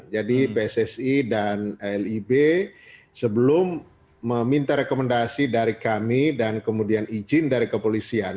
jadi pssc dan lib sebelum meminta rekomendasi dari kami dan kemudian izin dari kepolisian